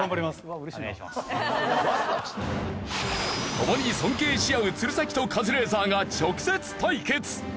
共に尊敬し合う鶴崎とカズレーザーが直接対決！